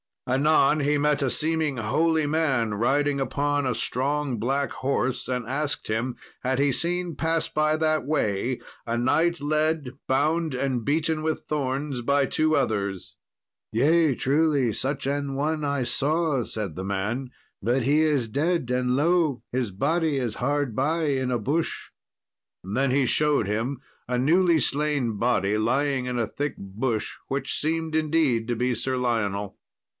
Anon he met a seeming holy man riding upon a strong black horse, and asked him, had he seen pass by that way a knight led bound and beaten with thorns by two others. "Yea, truly, such an one I saw," said the man; "but he is dead, and lo! his body is hard by in a bush." Then he showed him a newly slain body lying in a thick bush, which seemed indeed to be Sir Lionel.